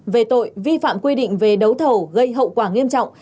về tội vi phạm quy định về đấu thầu gây hậu quả nghiêm trọng